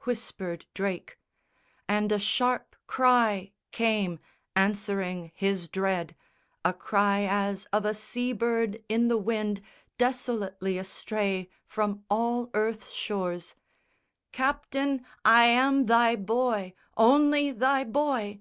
whispered Drake, And a sharp cry came, answering his dread, A cry as of a sea bird in the wind Desolately astray from all earth's shores, "Captain, I am thy boy, only thy boy!